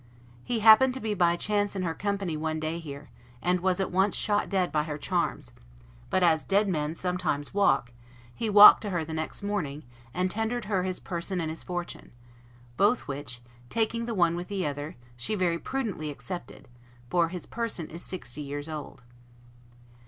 He happened to be by chance in her company one day here, and was at once shot dead by her charms; but as dead men sometimes walk, he walked to her the next morning, and tendered her his person and his fortune; both which, taking the one with the other, she very prudently accepted, for his person is sixty years old.